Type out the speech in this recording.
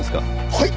はい！